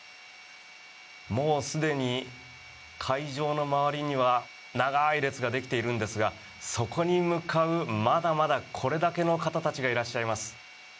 もうすでに会場の周りには長い列ができているんですがそこに向かうまだまだこれだけの方たちがいらっしゃいます。